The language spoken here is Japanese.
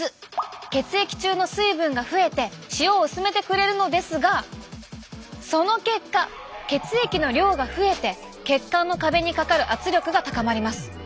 血液中の水分が増えて塩を薄めてくれるのですがその結果血液の量が増えて血管の壁にかかる圧力が高まります。